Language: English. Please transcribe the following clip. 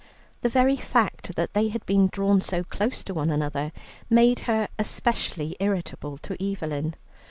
The very fact that they had been drawn so close to one another made her specially irritable to Evelyn.